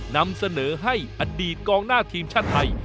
นำเสนอให้อดีตกองหน้าทีมชาติไทย